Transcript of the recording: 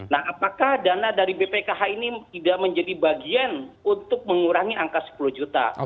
nah apakah dana dari bpkh ini tidak menjadi bagian untuk mengurangi angka sepuluh juta